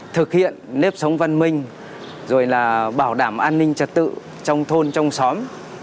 thực hiện nếp sống văn minh rồi là bảo đảm an ninh trật tự trong thôn trong xóm